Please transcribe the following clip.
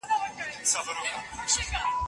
پوهه د غریبۍ په وړاندې لویه وسله ده.